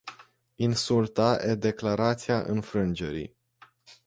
Insulta e declarația înfrângerii.